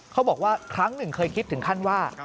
เขาบอกว่าครั้งหนึ่งเคยคิดถึงขั้นว่า